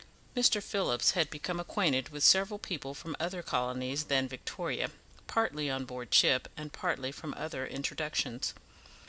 Mr. Phillips had become acquainted with several people from other colonies than Victoria, partly on board ship, and partly from other introductions.